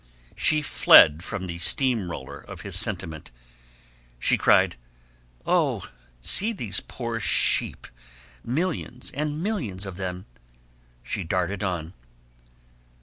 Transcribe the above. She fled from the steam roller of his sentiment. She cried, "Oh, see those poor sheep millions and millions of them." She darted on.